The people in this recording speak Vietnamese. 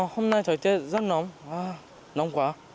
hôm nay thời tiết rất nóng nóng quá